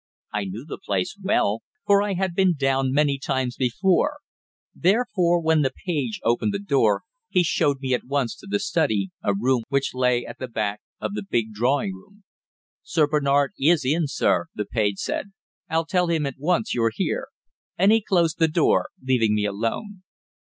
I knew the place well, for I had been down many times before; therefore, when the page opened the door he showed me at once to the study, a room which lay at the back of the big drawing room. "Sir Bernard is in, sir," the page said. "I'll tell him at once you're here," and he closed the door, leaving me alone.